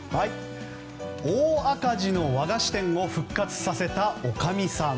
大赤字の和菓子店を復活させた女将さん。